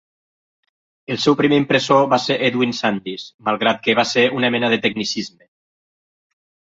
El seu primer impressor va ser Edwin Sandys, malgrat que va ser una mena de tecnicisme.